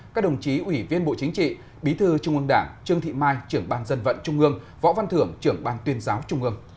các đồng chí ủy viên bộ chính trị bí thư trung ương đảng trương thị mai trưởng ban dân vận trung ương võ văn thưởng trưởng ban tuyên giáo trung ương